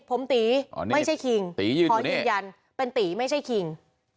ผมตีไม่ใช่คิงขอยืนยันเป็นตีไม่ใช่คิง